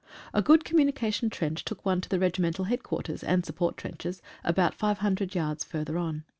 A good communication trench took one to the regimental headquarters, and support trenches, about 500 yards further on.